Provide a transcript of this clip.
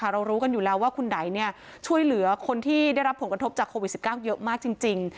เรารู้กันอยู่แล้วว่าคุณไดช่วยเหลือคนที่ได้รับผลกระทบจากโควิด๑๙เยอะมากจริง